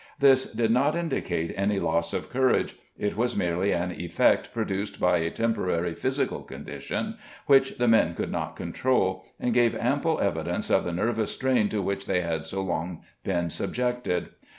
This did not indicate any loss of courage ; it was merely an effect produced by a temporary physical condition which the men could not control, and gave ample evidence of the nervous strain to which they had so long been subjected.